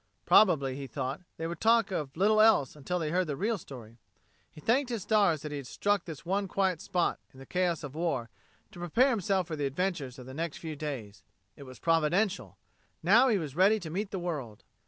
Probably, he thought, they would talk of little else until they heard the real story. He thanked his stars that he had struck this one quiet spot in the chaos of war to prepare himself for the adventures of the next few days. It was providential. Now he was ready to meet the world.